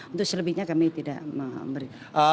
untuk selebihnya kami tidak memberi